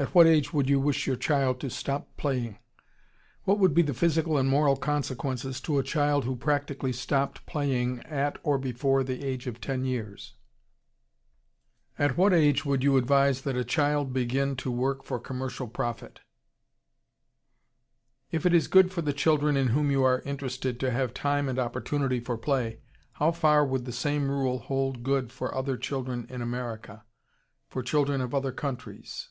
At what age would you wish your child to stop playing? What would be the physical and moral consequences to a child who practically stopped playing at or before the age of ten years? At what age would you advise that a child begin to work for commercial profit? If it is good for the children in whom you are interested to have time and opportunity for play, how far would the same rule hold good for other children in America? For children of other countries?